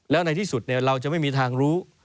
แล้วในที่สุดเราจะไม่มีทางรู้